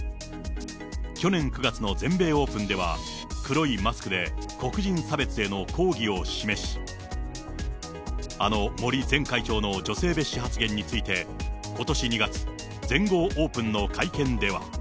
去年９月の全米オープンでは、黒いマスクで黒人差別への抗議を示し、あの森前会長の女性蔑視発言について、ことし２月、全豪オープンの会見では。